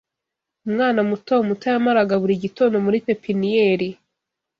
Umwana muto muto yamaraga buri gitondo muri pepiniyeri.